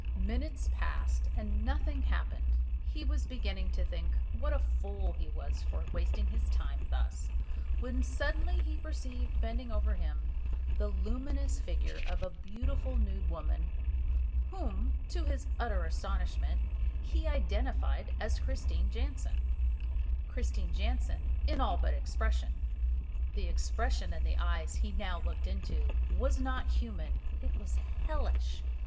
Minutes passed, and nothing happening, he was beginning to think what a fool he was for wasting his time thus, when suddenly he perceived bending over him the luminous figure of a beautiful nude woman, whom, to his utter astonishment, he identified as Christine Jansen Christine Jansen in all but expression. The expression in the eyes he now looked into was not human it was hellish.